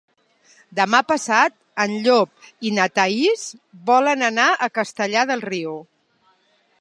Demà passat en Llop i na Thaís volen anar a Castellar del Riu.